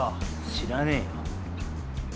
知らねえよ。